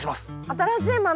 新しい豆！